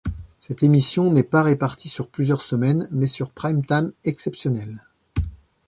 Cette émission n'est pas répartie sur plusieurs semaines mais sur prime-time exceptionnels.